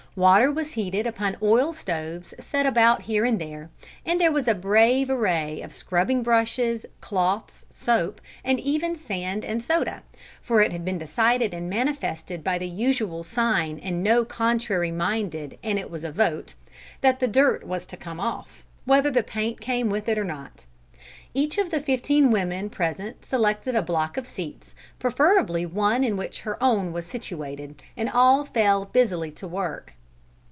Water was heated upon oil stoves set about here and there, and there was a brave array of scrubbing brushes, cloths, soap, and even sand and soda, for it had been decided and manifested by the usual sign and no contrary minded and it was a vote that the dirt was to come off, whether the paint came with it or not. Each of the fifteen women present selected a block of seats, preferably one in which her own was situated, and all fell busily to work.